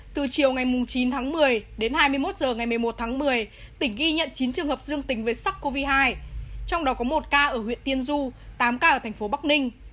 từ chiều ngày chín tháng một mươi đến hai mươi một h ngày một mươi một tháng một mươi tỉnh ghi nhận chín trường hợp dương tính với sars cov hai trong đó có một ca ở huyện tiên du tám ca ở thành phố bắc ninh